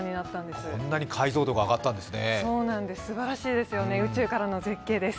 すばらしいですよね、宇宙からの絶景です。